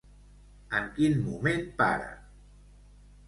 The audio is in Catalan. En quin moment para?